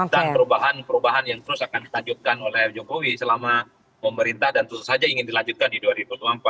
dan perubahan perubahan yang terus akan ditanjutkan oleh jokowi selama pemerintah dan terus saja ingin dilanjutkan di dua ribu dua puluh empat